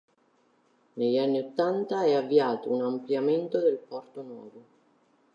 Negli anni ottanta è avviato un ampliamento del Porto Nuovo.